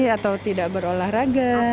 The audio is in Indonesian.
atau tidak berolahraga